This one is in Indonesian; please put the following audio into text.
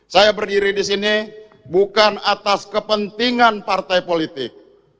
saya berdiri di sini bukan atas kepentingan partai politik